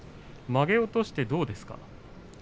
まげを落としてどうですか。